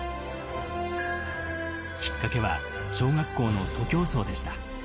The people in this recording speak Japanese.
きっかけは、小学校の徒競走でした。